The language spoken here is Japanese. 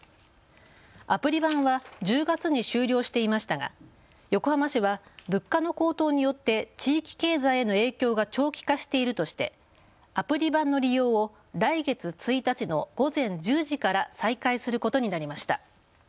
アプリ版は１０月に終了していましたが横浜市は物価の高騰によって地域経済への影響が長期化しているとして、アプリ版の利用を来月１日の午前１０時から再開することになりました。